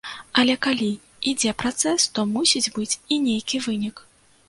Але калі ідзе працэс, то мусіць быць і нейкі вынік.